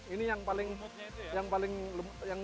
ini yang paling hard di malang kelok songo